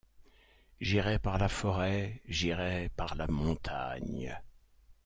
J’irai par la forêt, j’irai par la montagne.